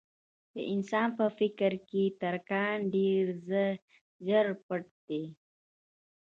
د انسان په فکر کې تر کان ډېر زر پټ دي.